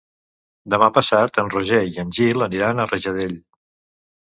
Demà passat en Roger i en Gil aniran a Rajadell.